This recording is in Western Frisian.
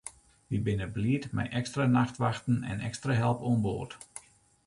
Wy binne bliid mei ekstra nachtwachten en ekstra help oan board.